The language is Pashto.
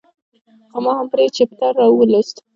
خو ما هم پرې چپټر ولوست.